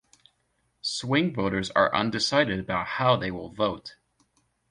Swing voters are undecided about how they will vote.